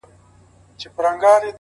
مینه کي اور بلوې ما ورته تنها هم پرېږدې.